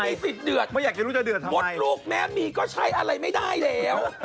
แต่นี่สิ่งเดือดหมดลูกแม่มีก็ใช้อะไรไม่ได้แล้ว